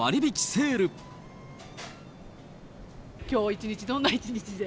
きょう一日、どんな一日で？